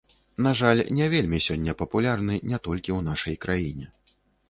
На жаль, не вельмі сёння папулярны не толькі ў нашай краіне.